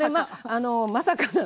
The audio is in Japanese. まさか。